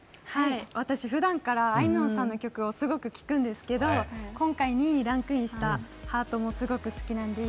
私、ふだんからあいみょんさんの曲をすごく聴くんですけど今回２位にランクインした「ハート」もすごく好きなんです。